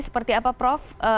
seperti apa prof